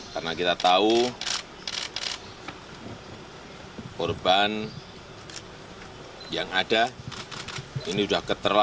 karena kita tahu korban yang ada ini sudah keterlaluan